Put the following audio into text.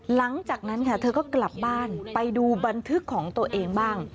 หลังจากนั้นค่ะเธอก็กลับบ้านไปดูบันทึกของตัวเองบ้าง